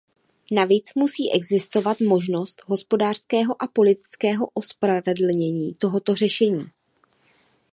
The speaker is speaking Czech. Navíc musí existovat možnost hospodářského a politického ospravedlnění tohoto řešení.